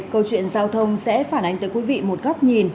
câu chuyện giao thông sẽ phản ánh tới quý vị một góc nhìn